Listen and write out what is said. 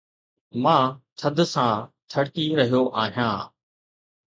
مان ٿڌ سان ٿڙڪي رهيو آهيان